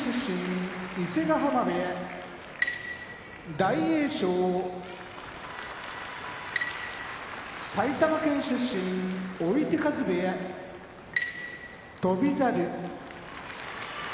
伊勢ヶ濱部屋大栄翔埼玉県出身追手風部屋翔猿